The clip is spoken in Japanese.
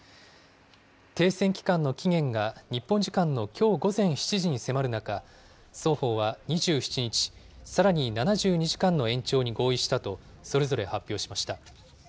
停戦期間の期限が、日本時間のきょう午前７時に迫る中、双方は２７日、さらに７２時間の延長に合意したと、それぞれ発表しました。